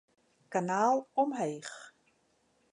Kanaal omheech.